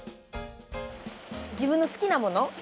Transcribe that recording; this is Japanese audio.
自分の好きなもの。